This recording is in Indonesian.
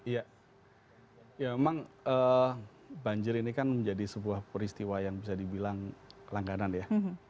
ya memang banjir ini kan menjadi sebuah peristiwa yang bisa dibilang langganan ya